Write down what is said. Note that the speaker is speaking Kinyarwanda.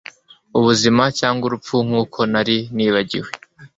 Ubuzima cyangwa urupfu nkuko nari nibagiwe